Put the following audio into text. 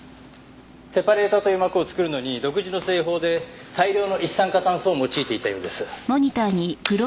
セパレータという膜を作るのに独自の製法で大量の一酸化炭素を用いていたようです。